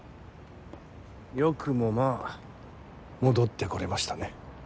よくもまあ戻って来れましたね。